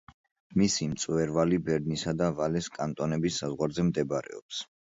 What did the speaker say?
მისი მწვერვალი ბერნისა და ვალეს კანტონების საზღვარზე მდებარეობს.